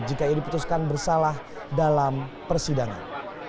jika ia diputuskan bersalah dalam persidangan